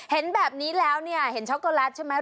เห็นแบบนี้แล้วเนี่ยเห็นช็อกโกแลตใช่ไหม